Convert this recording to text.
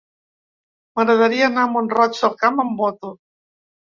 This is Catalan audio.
M'agradaria anar a Mont-roig del Camp amb moto.